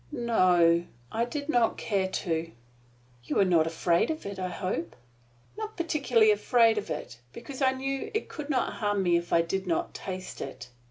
"No I did not care to." "You were not afraid of it, I hope." "Not particularly afraid of it, because I knew it could not harm me if I did not taste it.